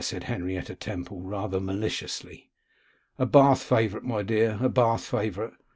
said Henrietta Temple rather maliciously. 'A Bath favourite, my dear; a Bath favourite.